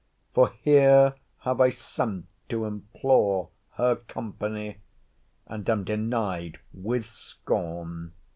For here have I sent to implore her company, and am denied with scorn.